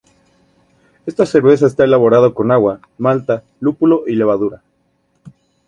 Esta cerveza está elaborada con agua, malta, lúpulo y levadura.